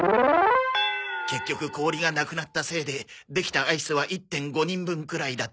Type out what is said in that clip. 結局氷がなくなったせいでできたアイスは１．５人分くらいだったんだ。